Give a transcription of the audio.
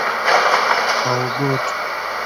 آۆگۉۮ